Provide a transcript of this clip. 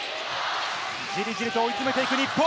ジリジリと追い詰めていく日本。